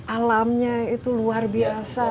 alamnya itu luar biasa